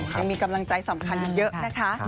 ยังมีกำลังใจสำคัญอีกเยอะนะคะ